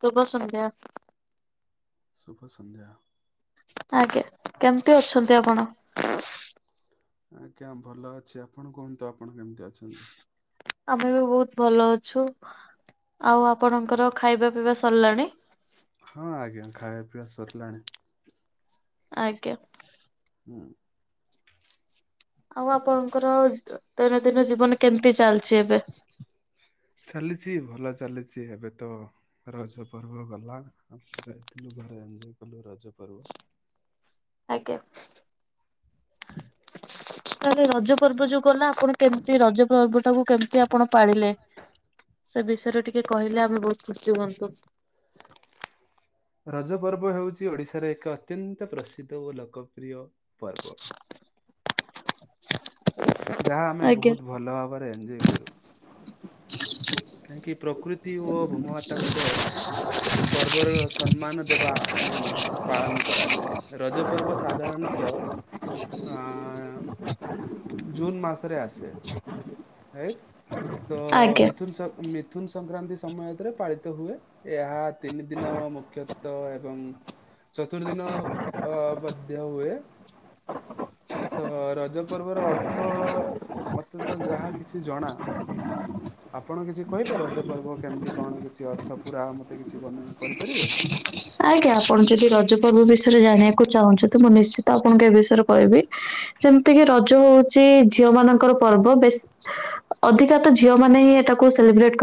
ଶୁଭ ସନ୍ଧ୍ୟା। ଶୁଭ ସଂନ୍ଧ୍ୟା। ଆଜ୍ଞା କେମତି ଅଛନ୍ତି ଆପଣ? ଆଜ୍ଞା ଭଲ ଅଛି ଆପଣ କୁହନ୍ତୁ, ଆପଣ କେମିତି ଅଛନ୍ତି। ଆମେ ବି ବହୁତ ଭଲ ଅଛୁ। ଆଉ ଆପଣଙ୍କର ଖାଇବା ପିଇବା ସରିଲାଣି। ହଁ ଆଜ୍ଞା ଖାଇବା ପିଇବା ସରିଲାଣି। ଆଜ୍ଞା। ହଁ। ଆଉ ଆପଣଙ୍କର ଦୈନନ୍ଦିନ ଜୀବନ କେମିତି ଚାଲିଛି? ଏବେ? ଚାଲିଚି, ଭଲ ଅଛି। ଚାଲିଛି ଏବେ ତ ରଜ ପର୍ବ ଗଲା ଯାଇଥିଲୁ ଘରେ ଏନ୍ଜୟ କଲୁ ରଜ ପର୍ବ ଆଜ୍ଞା। ତାଲେ ରଜ ପର୍ବ ଯୋଉ ଗଲା ଆପଣ କେମିତି ରଜ ପର୍ବ ଟାକୁ କେମିତି ଆପଣ ପାଳିଲେ? ସେ ବିଷୟରେ ଟିକେ କହିଲେ ଆମେ ବହୁତ ଖୁସି ହୁଅନ୍ତୁ। ରଜ ପର୍ବ ହେଉଛି, ଓଡିଶାର ଏକ ଅତ୍ୟନ୍ତ ପ୍ରସିଦ୍ଧ, ଓ ଲୋକପ୍ରିୟ ପର୍ବ। ହ ଯାହା ଆମେ ଆଜ୍ଞା ବହୁତ ଭଲ ଭାବରେ ଏଞଜୟ କରୁ। [inaudible] କାହିଁକି ପ୍ରକୃତି ଓ ଭୂମମାତାଙ୍କ ପର୍ବର ସମ୍ମାନ ଦେବା ପାଇଁ ପାଳନ କରାଯାଏ, ରଜ ପର୍ବ ସାଧାରଣତ [inaudible] ଜୁନ ମାସରେ ଆସେ ତ ଆଜ୍ଞା ମିଥୁନ ସ ମିଥୁନ ସଂକ୍ରାନ୍ତି ସମୟରେ ପାଳିତ ହୁଏ, ଏହା ତିନି ଦିନ ମୁଖ୍ୟତ ଏବଂ ଚତୁର୍ଦିନ ଅ ମଧ୍ୟ ହୁଏ। ତ ରଜ ପର୍ବର ଅର୍ଥ ମତେ ତ ଯାହା କିଛି ଜଣା ଆପଣ କିଛି କହିବେ ରଜ ପର୍ବ କେମିତି କଣ କିଛି ଅର୍ଥ ପୁରା ମତେ କିଛି ବର୍ଣ୍ଣନା କରିପାରିବେ? ଚାହୁ ମୁଁ ନିଶ୍ଚିତ ଆପଣଙ୍କୁ ଏ ବିଷୟରେ କହିବି, ଯେମିତି କି ରଜ ହଉଛି ଝିଅ ମାନଙ୍କର ପର୍ବ ବେଶ ଅଧିକା ତ ଝିଅ ମାନେ ହିଁ ଏଟାକୁ ସେଲିବ୍ରେଟ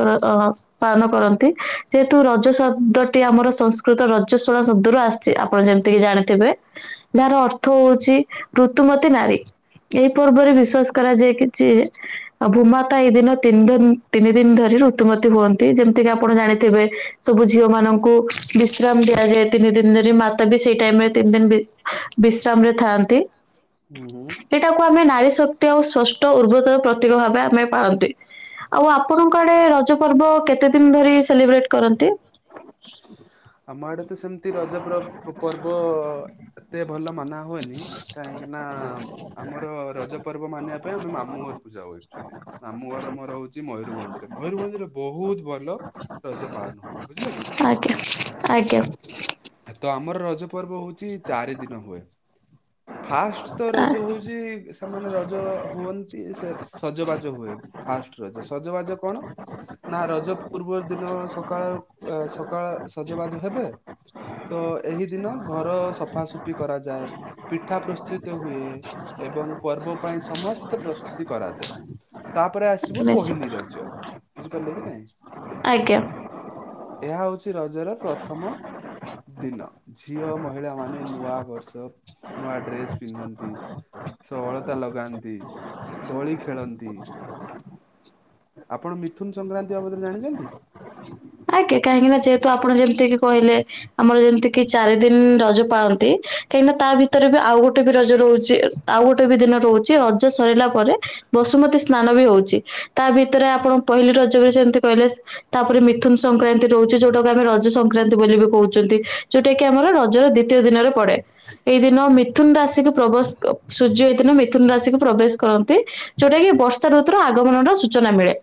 ପାଳନ କରନ୍ତି। ଯେହେତୁ ରଜ ଶବ୍ଦ ଟି ଆମର ସଂସ୍ କୃତ ରଜ ଶୁଣା ଶବଦରୁ ଆସିଛି, ଆପଣ ଯେମିତିକି ଜାଣିଥିବେ ଯାହାର ଅର୍ଥ ହଉଛି ଋତୁ ମତେ ନାରୀ ଏଇ ପର୍ବରେ ବିଶ୍ଵାସ କରାଯାଏ, କିଛି ଭୋମାତା ଏଇ ଦିନ ତିନି ଦିନ ତିନି ଦିନ ଧରି ଋତୁମତି ହୁଅନ୍ତି ଯେମିତି କିି ଆପଣ ଜାଣିଥିବେ, ସବୁ ଝିଅ ମାନଙ୍କୁ ବିଶ୍ରାମ ଦିଆଯାଏ ତିନି ଦିନରେ ମାତା ବି ସେଇ ଟାଇମ ରେ ତିନି ଦିନ ବିଶ୍ରାମ ରେ ଥାଆନ୍ତି। ହୁଁ ହୁଁ। ସେଇଟାକୁ ଆମେ ନାରୀ ଶକ୍ତି ଆଉ ସ୍ଵଷ୍ଟ ଉର୍ବ [unintelligible] ପ୍ରତୀକ ଭାବେ ଆମେ ପାଳନ୍ତି। ଆଉ ଆପଣଙ୍କ ଆଡେ ରଜ ପର୍ବ କେତେ ଦିନ ଧରି ସ ଆମ ଆଡ଼େ ତ ସେମିତି ରଜ ପବ ପର୍ବ ଏତେ ଭଲ ମାନା ହୁଏନି କାହିଁକିନା ଆମର ରଜ ପର୍ବ ମାନିବା ପାଇଁ ଆମେ ମାମୁଁ ଘରକୁ ଯାଉ ଆକଚୁଆଲି ମାମୁଁ ଘର ମୋର ହଉଚି ମୟୂରଭଞ୍ଜ। ମୟୂରଭଞ୍ଜରେ ବହୁତ ଭଲ ରଜ ପାଳନ ହୁଏ, ବୁଝିଲେ କି? ଆଜ୍ଞା ଆଜ୍ଞା। ତ ଆମର ରଜ ପର୍ବ ହଉଛି ଚାରି ଦିନ ହୁଏ। ଫାଷ୍ଟ ତ ଆ- ରଜ ହଉଛି ସେମାନେ ରଜ ହୁଅନ୍ତି ସେ ସଜବାଜ ହୁଏ, ଫାଷ୍ଟ ରଜ ସଜବାଜ କଣ? ନା ରଜ ପୂର୍ବ ଦିନ ସକାଳ ସକାଳ ସଜବାଜ ହେବେ। ତ ଏହି ଦିନ ଘର ସଫାସଫି କରାଯାଏ ପିଠା ପ୍ରସ୍ତୁତ ହୁଏ, ଏବଂ ପର୍ବ ପାଇଁ ସମସ୍ତ ପ୍ରସ୍ତୁତି କରାଯାଏ। ତାପରେ ଆସିବ ନିଶ୍ଚିତ ପହିଲି ରଜ ବୁଝିପାରିଲେ କି ନାଇଁ? ଆଜ୍ଞା। ଏହା ହଉଛି ରଜ ର ପ୍ରଥମ ଦିନ, ଝିଅ ମହିଳା ମାନେ ନୂଆ ବର୍ଷ ନୁଆଡ୍ରେସ ପିନ୍ଧନ୍ତି। ସେ ଅଳତା ଲଗାନ୍ତି ଦୋଳି ଖେଳନ୍ତି। ଆପଣ ମିଥୁନ ସଂକ୍ରାନ୍ତି ବାବଦରେ ଜାଣିଛନ୍ତି? ଆଜ୍ଞାଁ କାହିଁକି ନା ଯେହେତୁ ଆପଣ ଯେମତି କହିଲେ ଆମର ଯେମିତି କିି ଚାରି ଦିନ ରଜ ପାଳନ୍ତି କାହିଁକିନା ତା ଭିତରେ ବି ଆଉ ଗୋଟେ ବି ରଜ ହୋଇଛି ଆଉ ଗୋଟେ ବି ଦିନ ରହୁଛି ରଜ ସରିଲା ପରେ ବସୁମତୀ ସ୍ନାନ ବି ହଉଛି ତା ବି ତରେ ଆପଣ ପହିଲ ରଜରେ ସେମିତି କହିଲେ ତାପରେ ମଥୁନ ସଂକ୍ରାନ୍ତି ରହୁଛି ଯୋଉଟାକ ଆମେ ରଜ ସଂକ୍ରାନ୍ତି ବୋଲି ବି କହୁଛନ୍ତି ଯୋଉଟା କିି ଆମର ରଜର ଦ୍ୱିତୀୟ ଦିନରେ ପଡେ ଏଇ ଦିନ ମିଥୁନ ରାଶିକୁ ପ୍ରବେଶ ସୂର୍ଯ୍ୟ ଏଇ ଦିନ ମିଥୁନ ରାଶିକୁ ପ୍ରବେଶ କରନ୍ତି। ଯୋଉଟା କି ବର୍ଷା ଋତୁର ଆଗମନ ର ସୂଚନା ମିଳେ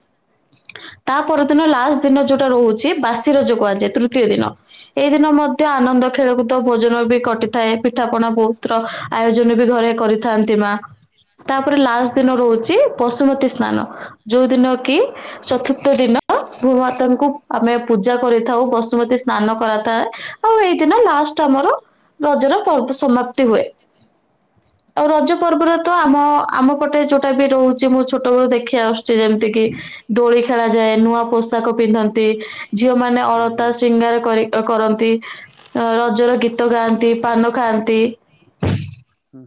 ତା ପରଦିନ ଲାଷ୍ଟ ଦିନ ଯୋଉ ରହୁଛି ବାସି ରାଜ କୁହାଯାଏ ତୃତୀୟ ଦିନ ଏଇ ଦିନ ମଧ୍ୟ ଆନନ୍ଦ ଖେଳକୁଦ ଭୋଜନ ବି କ କଟିଥାଏ ପିଠାପଣା ବହୁତ ର ଆୟୋଜନ ବି ଘରେ କରିଥାନ୍ତି ମା। ତାପରେ ହୁଁ ଲାଷ୍ଟ ହୁଁ। ଦିନ ରହୁଛି ବଶୁମତୀ ସ୍ନାନ ଯୋଉ ଦିନ କି ଚତୁର୍ଥ ଦିନ ଭୂ ମାତାଙ୍କୁ ଆମେ ପୂଜା କରିଥାଉ ବସୁମତୀ ସ୍ନାନ କରାଥାଏ ଆଉ ଏଇଦିନ ଲାଷ୍ଟ ଆମର ରଜର ପର୍ବ ସମାପ୍ତି ହୁଏ। ଆଉ ରଜ ପର୍ବରେ ତ ଆମ ଆମ ପଟେ ଯୋଉଟା ବି ରହୁଛି ମୁଁ ଛୋଟବେଳୁ ଦେଖି ଆସୁଛି ଯେମତି କିି ଦୋଳି ଖେଳାଯାଏ, ନୂଆ ପୋଷାକ ପିନ୍ଧନ୍ତି ଝିଅ ମାନେ ହୁଁ ଅଳତା ହୁଁ। ଶିଙ୍ଗାର କରି କରନ୍ତି ରଜର ଗୀତ ଗାନ୍ତି। ପାନ ଖାଆନ୍ତି।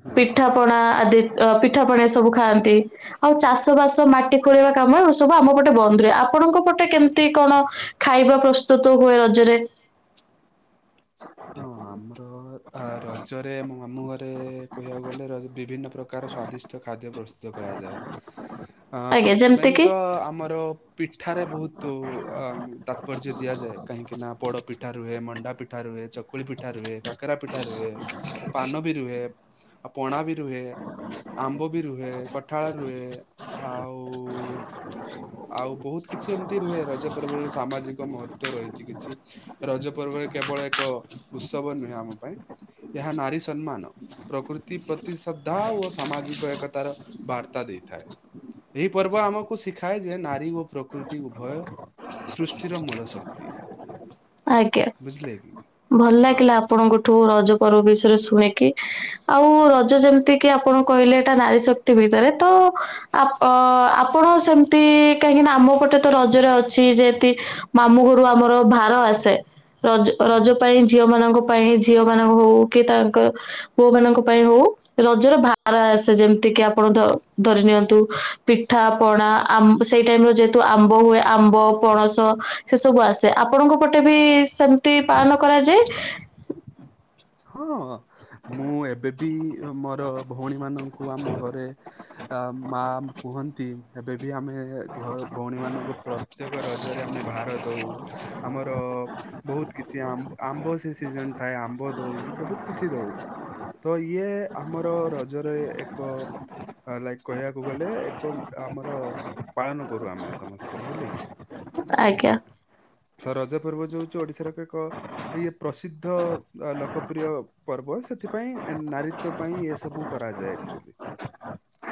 ହୁଁ। ପିଠା ପଣା ଆଦି ପିଠା ପଣା ଏ ସବୁ ଖାଆନ୍ତି ଆଉ ଚାଷ ବାସ ମାଟି ଖୋଳେଇିବା କାମ ସବୁ ଆମ ପଟେ ବନ୍ଦ ରୁହେ ଆପଣଙ୍କ ପଟେ କେମିତି? କଣ ଖାଇବା ପ୍ରସ୍ତୁତ ହୁଏ ରଜରେ? ହଁ ଆମର ରଜରେ ଆମ ମାମୁଁ ଘରେ କହିବାକୁ ଗଲେ ର ବିଭିନ୍ନ ପ୍ରକାର ପ୍ରକାର ସ୍ଵାଦିଷ୍ଟ ଖାଦ୍ୟ ପ୍ରସ୍ତୁତ କରାଯାଏ। ଆ ଆଜ୍ଞା ଯେମିତି ମେନ୍ କି ତ ଆମର ପିଠାରେ ବହୁତ ଆ ତାତ୍ପର୍ଯ୍ୟ ଦିଆଯାଏ। କାହିଁକିନା ପୋଡ଼ ପିଠା ରୁହେ, ମଣ୍ଡା ପିଠା ପିଠା ରୁହେ, ଚକୁଳି ପିଠା ରୁହେ, କାକରା ପିଠା ରୁହେ, ପାନ ବି ରୁହେ ଆଉ ପଣା ବି ରୁହେ। ଆମ୍ବ ବି ରୁହେ, କଠାଳ ରୁହେ ଆଉ ଆଉ ବହୁତ କିଛି ଏମିତି ରୁହେ ରଜ ପର୍ବର ସାମାଜିକ ମହତ୍ତ୍ୱ ରହିଛି କିଛି। ରଜ ପର୍ବ କେବଳ ଏକ ଉତ୍ସବ ନୁହେଁ ଆମ ପାଇଁ ଏହା ନାରୀ ସମ୍ମାନ, ପ୍ରକୃତି ପ୍ରତି ଶ୍ରଦ୍ଧା ଓ ସାମାଜିକ ଏକତାର ବାର୍ତ୍ତା ଦେଇ ହେଇଥାଏ ଏହି ପର୍ବ ଆମକୁ ଶିଖାଏ ଯେ ନାରୀ ଓ ପ୍ରକୃତି ଉଭୟ ସୃଷ୍ଟିର ମୂଳ ଶକ୍ତି। ଆଜ୍ଞା। ବୁଝିଲେ କି? ଭଲ ହଁ। ଲାଗିଲା ଆପଣଙ୍କଠୁ ରଜ ପର୍ବ ବିଷୟରେ ଶୁଣିକି, ଆଉ ରଜ ଯେମିତି କି ଆପଣ କହିଲେ ଏଟା ନାରୀ ଶକ୍ତି ଭିତରେ ତ ଆପ ଅ ଆପଣ ସେମିତି କାହିଁ ନା ଆମ ପଟେ ତ ରଜରେ ଅଛି ଯେତି, ମାମୁଁ ଘରୁ ଆମର ଭାର ଆସେ ରଜ ରଜ ହୁଁ। ପାଇଁ ଝିଅ ମାନଙ୍କ ପାଇଁ ଝିଅ ମାନଙ୍କ ହଉ କି ତାଙ୍କ ପୁଅ ମାନଙ୍କ ପାଇଁ ହଉ ରଜର ଭାର ଆସେ ଯେମିତି କି ଆପଣ ଧ ଧରି ନିଅନ୍ତୁ ପିଠା ପଣା ଆମ ସେଇ ଟାଇମ ର ଯେହେତୁ ଆମ୍ବ ହୁଏ ଆମ୍ବ, ପଣସ ସେ ସବୁ ଆସେ ଆପଣଙ୍କ ପଟେ ବି ସେମ ତି ପାଳନ କରାଯାଏ? ହଁ। ମୁଁ ଏବେବି ମୋର ଭଉଣୀମାନଙ୍କୁ ଆମ ଘରେ ଅମ୍ ମା କୁହନ୍ତି ଏବେ ବି ଆମେ ଘର ଭଉଣୀମାନଙ୍କୁ ପ୍ରତ୍ୟେକ ରଜରେ ଆମେ ବାହାର ଦେଉ ଆମର ବହୁତ କିଛି ଆମ୍, ଆମ୍ବ ସେ ସିଜିନ୍ ଥାଏ, ଆମ୍ବ ଦଉ ବହୁତ କିଛି ଦଉ। ତ ଇଏ ଆମର ରଜରେ ଏକ ଲାଇକ୍ କହିବାକୁ ଗଲେ ଏକ ଆମର ପାଳନ କରୁ ଆମେ ସମସ୍ତେ ବୁଝିଲେ କି? ଆଜ୍ଞା। ଚି, ଓଡ଼ିଶାର ଏକ, ଇଏ ପ୍ରସିଦ୍ଧ ଲୋକପ୍ରିୟ ପର୍ବ ସେଥିପାଇଁ ଏନ୍ନ ନାରୀ ପାଇଁ, ଏ ସବୁ କରାଯାଏ ଏକ୍ଟୁଆଲୀ। [inaudible]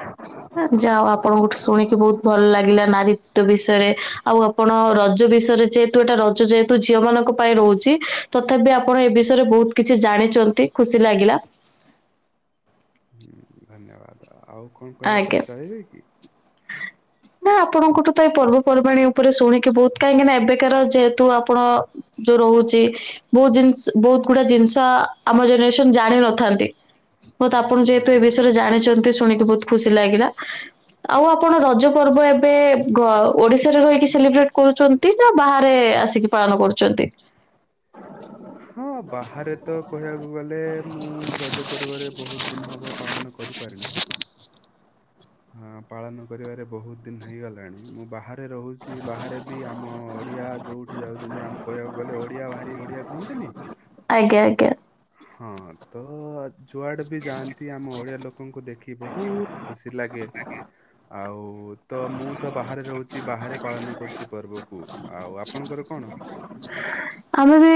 ଯା ହୋଉ, ଆପଣଙ୍କଠୁ ଶୁଣିକି ବହୁତ ଭଲ ଲାଗିଲା। ନାରିତ୍ଵ ବିଷୟରେ। ଆଉ' ଆପଣ ରଜ ବିଷୟରେ ଯେହେତୁ ଏଟା ରଜ ଯେହେତୁ ଝିଅ ମାନଙ୍କ ପାଇଁ ରହୁଛି ତଥାପି ଆପଣ ଏ ବିଷୟରେ ବହୁତ କିଛି ଜାଣିଛନ୍ତି ଖୁସି ଲାଗିଲା। ହୁଁ ଧନ୍ୟବାଦ ଆଉ କଣ କହିବା ଆଜ୍ଞା ପାଇଁ ଚାହିଁବେ କି? ନା ଆପଣଙ୍କଠୁ ତ ଏଇ ପର୍ବପର୍ବାଣୀ ଉପରେ ଶୁଣିକି ବହୁତ କାହିଁକି ନା ଏବେକାର ଯେହେତୁ ଆପଣ ରହୁଛି ବହୁତ ଜିନିସ୍, ବହୁତ ଗୁଡା ଜିନିଷ ଆମ ଜେନେରେସନ ଜାଣିିନଥାନ୍ତି। ବହୁତ ଆପଣ ଯେହେତୁ ଏ ଆଜ୍ଞା ଆଜ୍ଞା ବିଷୟରେ ଜାଣିଛନ୍ତି ଶୁଣିକି ବହୁତ ଖୁସି ଲାଗିଲା। ଆଉ ଆପଣ ରଜ ପର୍ବ ଏବେ ଘ ଓଡିଶାରେ ରହିକି ସେଲିବ୍ରେଟ୍ କରୁଛନ୍ତି? ନା ବାହାରେ ଆସିକି ପାଳନ କରୁଛନ୍ତି? ହଁ ବାହାରେ ତ କହିବାକୁ ଗଲେ ମୁଁ ରଜ ପର୍ବରେ ବହୁତ ଦିନ ହବ ପାଳନ କରି ପାରିନି। ହାଁ, ପାଳନ କରିବାରେ ବହୁତ ଦିନ ହେଇଗଲାଣି। ମୁଁ ବାହାର ରେ ରହୁଛି ବାହାରେ ବି ଆମ ଓଡ଼ିଆ ଯଉଠି ଯାଉଛନ୍ତି ଆମକୁ କହିବାକୁ ଗଲେ ଓଡ଼ିଆ ଭାରି ବଢଡ଼ିଆ କୁହନ୍ତିନି? ଆଜ୍ଞା ଆଜ୍ଞା। ହଁ ତ ଯୁଆଡେ ବି ଯାଆନ୍ତି ଆମ ଓଡିଆ ଲୋକଙ୍କୁ ଦେଖି ବହୁତ ଖୁସି ଲାଗେ ଗେ ଆଉ ତ ମୁଁ ତ ବାହାରେ ରହୁଛି ବାହାରେ ପାଳନ କରୁଛି ପର୍ବକୁ ଆଉ ଆପଣଙ୍କର କଣ? [inaudible] ଆମେ ବି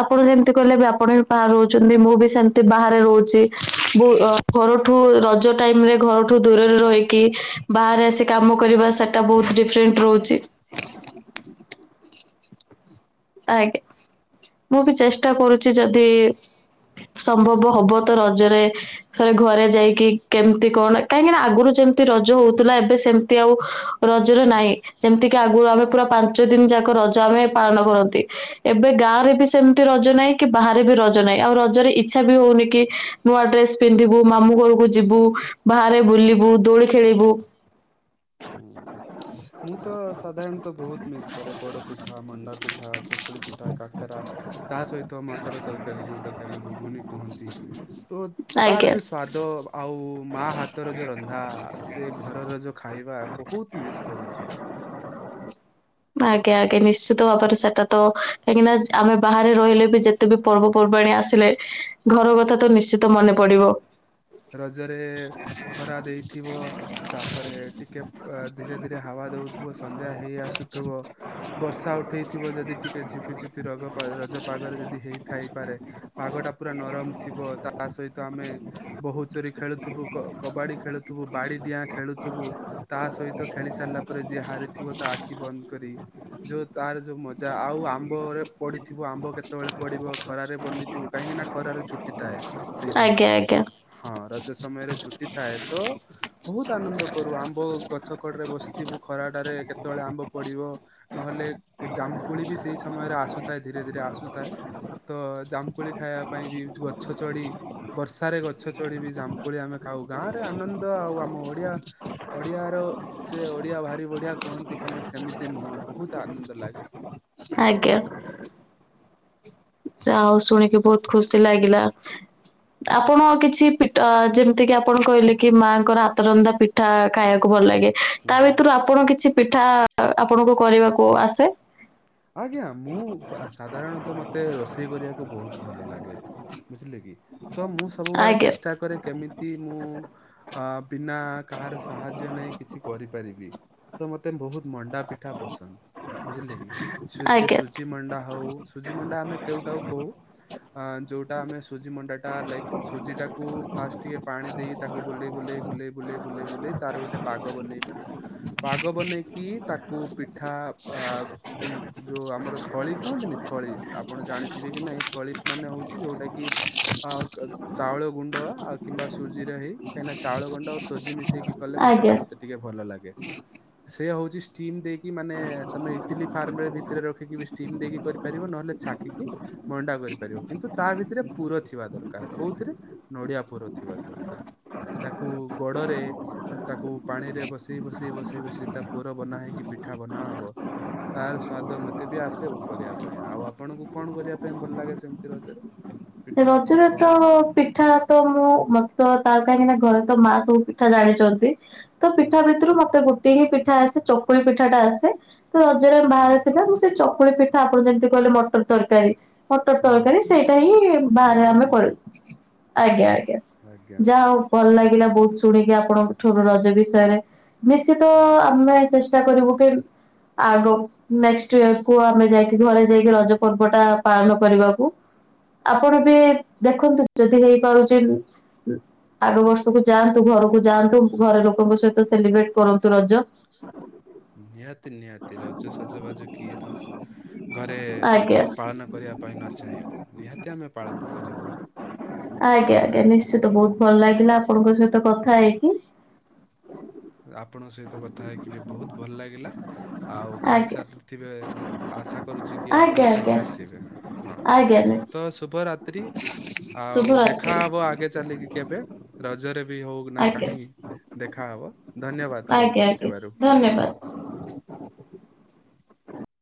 ଆପଣ ଯେମିତି କହିଲେ ଏବେ ଆପଣ ବି ବାହାରେ ରହୁଛନ୍ତି ମୁଁ ବି ସେମତି ବାହାରେ ରହୁଛି [unintelligible] ଘରଠୁ ରଜ ଟାଇମ ରେ ଘରଠୁ ଦୂରରେ ରହିକି ବାହାରେ ଆସି କାମ କରିବା ସେଟା ବହୁତ ଡିଫରେଣ୍ଟ ରହୁଛି। ଆଜ୍ଞା, ମୁଁ ବି ଚେଷ୍ଟା କରୁଛି ଯଦି ସମ୍ଭବ ହବ ତ ରଜରେ ଥରେ ଘରେ ଯାଇକି କି କେମିତି କଣ, କାହିଁକି ନା ଆଗରୁ ଯେମିତି ରଜ ହଉଥିଲା ଏବେ ସେମିତି ଆଉ ରଜର ନାହିଁ ଯେମିତିକି ଆଗରୁ ଆମେ ପୁରା ପାଞ୍ଚ ଦିନ ଯାକ ରଜ ଆମେ ପାଳନ କରନ୍ତ ନ୍ତି। ଏବେ ଗାଁ ରେ ବି ସେମିତି ରଜ ନାହିଁ କି ବାହାରେ ବି ରଜ ନାହିଁ ଆଉ ରଜରେ ଇଚ୍ଛା ବି ହଉନି କି ନୂଆ ଡ୍ରେସ୍ ପିନ୍ଧିବୁ, ମାମୁଁ ଘରକୁ ଯିବୁ, ବାହାରେ ବୁଲିବୁ, ଦୋଳି ଖେଳିବୁ। [unintelligible] ମୁଁ ତ ସାଧାରଣତଃ ବହୁତ ମିସ୍ କରେ ପୋଡ଼ପିଠା, ମଣ୍ଡାପିଠା, ଚୁକୁଳି ପିଠା, କାକରା। ତା ସହିତ ମଟର ତରକାରୀ ଯୋଉଟା କି ଆମେ ଭୁଗୁନୀ କୁହନ୍ତି ତ ତାର ଆଜ୍ଞା ଯୋଉ ସ୍ଵା ଦ। ଆଉ ମା ହାତର ଯୋଉ ରନ୍ଧା ସେ ଘରର ଯୋଉ ଖ ବା ବହୁତ ମିସ୍ କରୁଛି। ଆଜ୍ଞା ଆଜ୍ଞା, ନିଶ୍ଚିତ ଭାବରେ ସେଟା ତ କାହିଁକି ନା ଆମେ ବାହାରେ ରହିଲେ ବି ଯେତେ ବି ପର୍ବପର୍ବାଣି ଆସିଲେ ଘର କଥା ତ ନିଶ୍ଚିତ ମନେ ପ ପଡ଼ିବ। ରଜରେ ଖରା ଦେଇଥିବ। ତାପରେ ଟି ଟିକେ। ଧୀରେ, ଧୀରେ ହାବା ଦଉଥିବ। ସନ୍ଧ୍ୟା ହେଇ ଆସୁଥିବ, ବର୍ଷା ଉଠେଇଥିବ ଯଦି ଟି କେ। ଝିପି, ଝିପି ର ରଜ ପାଗରେ ଯଦି ହେଇଥାଇପାରେ ପାଗ ଟା ପୁରା ନରମ ଥିବ ତା ତା, ସହିତ ଆମେ ବୋହୁ ଚୋରି ଖେଳୁଥିବୁ, କବାଡି ଖେଳୁଥିବୁ, ବାଡି ଡିଆଁ ଖେଳୁଥିବୁ। ତା ସହିତ ଖେଳି ସାରିଲା ପରେ ଯିଏ ହାରିଥିବ ତା ଆଖି ବନ୍ଦ କରି ଯୋଉ ତାର ଯୋଉ ମ ଯା। ଆଉ ଆମ୍ବ ରେ ପଡିଥିବ ଆମ୍ବ କେତେ କେତେବେଳେ ପଡିବ ଖରାରେ ବନିଥିବୁ କାହିଁକି ନା ଖରାରେ ଛୁଟି ଥାଏ ସେଇ ଆଜ୍ଞା ସମୟରେ। ଆଜ୍ଞା ହଁ ରଜ ସମୟରେ ଛୁଟି ଥାଏ ତ ବହୁତ ଆନନ୍ଦ କରୁ ଆମ୍ବ ଗଛ କଡରେ ବସିଥିବୁ ଖରା ଖରାଟାରେ କେତେବେଳେ ଆମ୍ବ ପଡିବ ନହେଲେ ଜାମକୁଳି ବି ସେଇ ସମୟରେ ଆସୁଥାଏ। ଧୀରେ ଧୀରେ ଆସ ଆସୁଥାଏ ତ ଜାମକୁଳି ଖାଇବା ପାଇଁ ବି ଗଛ ଚଢି ବର୍ଷାରେ ଗଛ ଚଢିବ ଜାମକୁଳି ଆମେ ଖାଉ ଗାଁ ରେ ଆନନ୍ଦ ଆଉ ଆମ ଓଡିଆ ଓଡିଆର ଯେ ବଢିଆ ଭାରି ବଢିଆ କୁହନ୍ତି ଖାଲି ସେମିତି ନୁହଁ ବହୁତ ଆନନ୍ଦ ଲାଗେ ଆଜ୍ଞା। ସେ ଆଉ ଶୁଣିକି ବହୁତ ଖୁସି ଲାଗିଲା। ଆପଣ କିଛି ପିଠ ଯେମିତି କିି ଆପଣ କହିଲେ କି ମାଆଙ୍କର ହାତରନ୍ଧା ପିଠା ଖାଇବାକୁ ଭଲ ଲାଗେ ହୁଁ ତା ହୁଁ ଭିତରୁ ଆପଣ କିଛି ପିଠା ଆପଣଙ୍କୁ କରିବାକୁ ଆସେ ଆଜ୍ଞା ମୁଁ ସାଧାରଣତଃ ମତେ ରୋଷେଇ କରିବାକୁ ବହୁତ ଭଲ ଲାଗେ। ବୁଝିଲେ କି? ତ ମୁଁ ସବୁବେଳେ ଆଜ୍ଞା ଚେଷ୍ଟା କରେ କେମିତି ମୁଁ ଅ ବିନା କାହାର ସାହ ଯ୍ୟ ନେଇ କିଛି କରିପାରିବି ତ ମତେ ବହୁତ ମଣ୍ଡା ପିଠା ପସନ୍ଦ ବୁଝିଲେ କି? ସେ ଆଜ୍ଞା ସୁୂଜି ମଣ୍ଡା ହଉ ସୁୂଜିମଣ୍ଡା ଆମେ କେଉଟାକୁ କହୁ। ଅ ଯୋଉଟା ଆମେ ସୁଜି ମଣ୍ଡା ଟା ଲାଇକ ସୁଜି ଟାକୁ ଫାଷ୍ଟ ଟିକେ ପାଣି ଦେଇ ତାକୁ ବୁଲେଇ ବୁ ବୁେଲେ ବୁେଲେ ବୁେଲେ ବୁେଲେ ବୁଲେଇ ତାର ଗୋଟେ ପାଗ ବନେଇବୁ। ପାଗ ବନେଇକି ତାକୁ ପିଠା ଆ ଯୋଉ ଆମର ଥଳି କୁହନ୍ତିନି ଥଳି ଆପଣ ଜାଣିଥିବେ କି ନାଇଁ ଥଳି ମାନେ ହଉଛି ଯୋଉଟା କି? ଆ ଚାଉଳ ଗୁଣ୍ଡ କିମ୍ବା ସୁୂଜି ରହି କାହିଁକିନା ଚାଉଳ ଗୁଣ୍ଡ ଆଉ ସଜି ମିଶେଇକି କଲେ ମଣ୍ଡା ଟା ଆଜ୍ଞା। ମତେ ଟିକେ ଭଲ ଲାଗେ ସେ ହଉଛି ଷ୍ଟିମ ଦେଇ କି ମାନେ ତମେ ଇଟିଲି ଫାର୍ମ ରେ ଭିତରେ ରଖିକି ଷ୍ଟିମ ଦେଇକି କରିପାରିବ ନହେଲେ ଛାକିକି ମଣ୍ଡା କରିପାରିବ କିନ୍ତୁ ତା ଭିତରେ ପୁର ଥିବା ଦରକାର। ଦରକାରେ କୋଉଥିରେ ନଡିଆ ପୁର ଥିବା ଦରକାର। ତାକୁ ଗୋଡରେ ତାକୁ ପାଣି ରେ ବସେଇ ବସେଇ ବସେଇ ବସେଇ ତା ପୋର ବନା ହେଇକି ପି ଠା ବାନ ହବତା ସ୍ଵାଦ ମତେ ବି ଆସେ କରିବା ପାଇଁ ଆଉ ଆପଣଙ୍କୁ କଣ କରିବା ପାଇଁ ଭଲ ଲାଗେ ସେମିତି ରଜରେ? ପିଠା କି ରଜରେ ତ କଣ? ପିଠା ତ ମୁଁ ମତେ ତ ତାର କାହିଁକି ନା ଘରେ ତ ମା ସବୁ ପିଠା ଜାଣିଛନ୍ତି ତ ହୁଁ। ପିଠା ଭିତରୁ ମତେ ଗୋ ଟିଙ୍ଗ ପିଠା ଆସେ ଚକୁଳି ପିଠା ଟା ଆସେ ତ ରଜରେ ହ ହ ହ। ବାହାରେ ଥିଲା ମୁଁ ସେ ଚକୁଳି ପି ଆପଣ ଯେମିତି କହିଲେ ମଟର ତରକାରୀ ମଟର ହଁ। ତରକାରୀ ସେଇଟା ହିଁ ବାହାରେ ଆମେ ଘୁଗୁନି କରୁ। ଆଜ୍ଞା ଆଜ୍ଞା ଆଜ୍ଞା। ଯାହା ହଉ ଭଲ ଲାଗେ ଲା ବହୁ ଶୁଣିକି ଆପଣଙ୍କ ଠୁ ରଜ ବିଷୟରେ ନିଶ୍ଚିତ ହୁଁ। ଆମେ ଚେସ ଟା କରିବୁ ଆଗ ନେକଷ୍ଟ ଇୟରକୁୁ ଆମେ ଯାଇକି ଘରେ ଯାଇକି ରଜ ପର୍ବ ଟା ପାଳନ କରିବାକୁ। ଆପଣ ଏବେ ଦେଖନ୍ତୁ ଯଦି ହେଇପାରୁଚି ଆଗ ବର୍ଷ ଘରଯାଆନ୍ତୁ ଘରକୁ ଯାଆନ୍ତୁ ଘରେ ଲୋକଙ୍କ ସହିତ ସେଲିବ୍ରେଟ କରନ୍ତୁ ରଜ। ନିହାତି ନିହାତି ରଜ ସଜବାଜ କିଏ ତ ଆସ ଘରେ ଆଜ୍ଞା ପାଳନ କରିବା ପାଇଁ ନ ଚାହିଁବ ନିହାତି ଆମେ ପାଳନ କରିବୁ। ଆଜ୍ଞା ଆଜ୍ଞା ନିଶ୍ଚିତ ବହୁତ ଭଲ ଲାଗିଲା ଆପଣଙ୍କ ସହିତ କଥା ହେଇକି। ଆପଣଙ୍କ ସହିତ କଥା ହେଇକିବି ବହୁତ ଭଲ ଲାଗିଲା ଆଉ ଆଜ୍ଞା ଖାଇସାରିଥିବେ ଆ ଆଶା କରୁଛିକି ଆପଣ ଆଜ୍ଞା ଆଜ୍ଞା ଖାଇସାରିଥିବେ ହଁ ଆଜ୍ଞା ତ ଶୁଭରାତ୍ରି। ଆଉ ଶୁଭରାତ୍ରି ଦେଖାହବ ଆଗେଚାଲିକି କେବେ ରଜରେବି ହଉନା ଆଜ୍ଞା କାହିଁକି ଦେଖା ହବ। ଆଜ୍ଞା ଆଜ୍ଞା ଧନ୍ୟବାଦ।